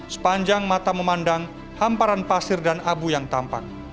sepanjang mata memandang hamparan pasir dan abu yang tampak